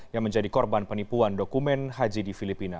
yang menjadi korban penipuan dokumen haji di filipina